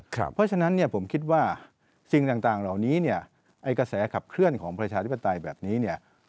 เพราะฉะนั้นเนี่ยผมคิดว่าสิ่งต่างเหล่านี้เนี่ยไอ้กระแสขับเคลื่อนของประชาธิปไตยแบบนี้เนี่ย